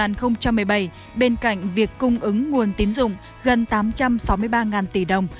năm hai nghìn một mươi bảy bên cạnh việc cung ứng nguồn tín dụng gần tám trăm sáu mươi ba tỷ đồng